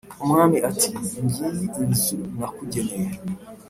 umwami ati: "Ngiyi inzu nakugeneye